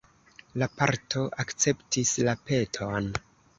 La patro akceptis la peton.